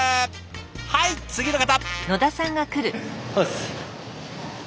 はい次の方！